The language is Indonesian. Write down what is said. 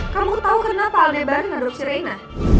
kamu tau kenapa alne bareng adopsi reina